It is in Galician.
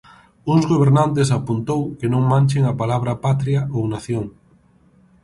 Uns gobernantes, apuntou, que non manchen a palabra patria ou nación.